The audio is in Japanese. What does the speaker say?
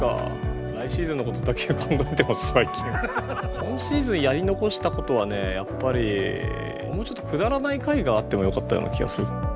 今シーズンやり残したことはやっぱりもうちょっとくだらない回があってもよかったような気がする。